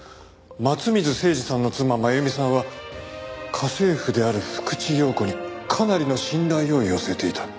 松水誠二さんの妻麻由美さんは家政婦である福地陽子にかなりの信頼を寄せていた。